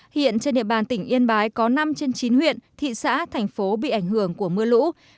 hiện trên địa bàn tỉnh yên bái có năm trên chín huyện thị xã thành phố bị ảnh hưởng của mưa lũ